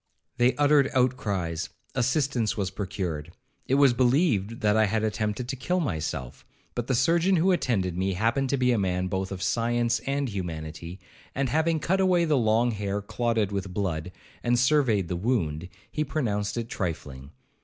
They uttered outcries,—assistance was procured,—it was believed that I had attempted to kill myself; but the surgeon who attended me happened to be a man both of science and humanity, and having cut away the long hair clotted with blood, and surveyed the wound, he pronounced it trifling.